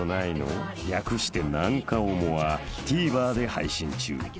［略して『なんかオモ』はＴＶｅｒで配信中］